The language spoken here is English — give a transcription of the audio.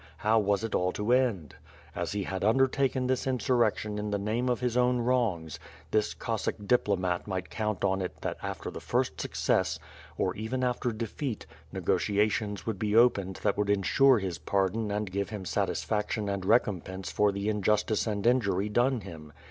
How was it all to end? As he had undertaken this insurrection in the name of his own wrongs, this Cossack diplomat might count on it that after the first success, or even after defeat^ negotiations would be opened 13 i^ WITH FIRE Ast) swonn. that would insure his pardon and give him satisfaction and lecompenjje for the injustice and injury done him.